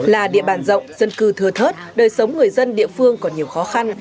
là địa bàn rộng dân cư thừa thớt đời sống người dân địa phương còn nhiều khó khăn